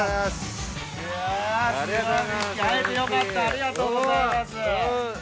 ありがとうございます。